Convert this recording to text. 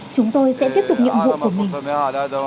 chúng tôi sẽ tiếp tục nhiệm vụ của mình